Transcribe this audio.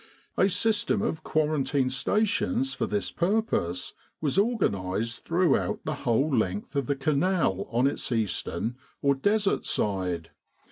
A system of quarantine stations for this purpose was organised throughout the whole length of the Canal on its eastern, or Desert, side.